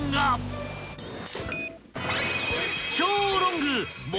［超ロング］え！